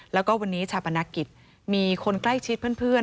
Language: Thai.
แล้วก็วันนี้ชาปนกิจมีคนใกล้ชิดเพื่อน